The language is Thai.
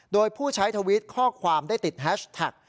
โดยผู้ใช้ทวิตข้อความได้ติดแฮชแท็ก